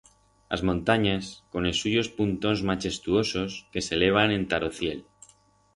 As montanyas, con es suyos puntons machestuosos que s'elevan enta ro ciel.